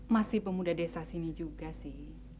masih pemuda desa sini juga sih